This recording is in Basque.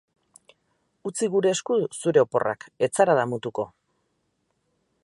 Utzi gure esku zure oporrak, ez zara damutuko!